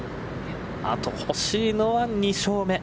あと欲しいのは、２勝目。